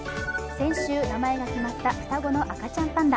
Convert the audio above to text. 先週名前が決まった双子の赤ちゃんパンダ。